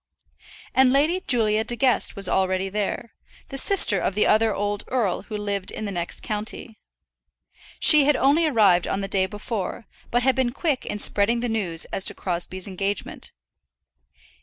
And Lady Julia De Guest was already there, the sister of the other old earl who lived in the next county. She had only arrived on the day before, but had been quick in spreading the news as to Crosbie's engagement.